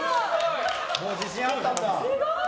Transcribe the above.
もう自信があったんだ！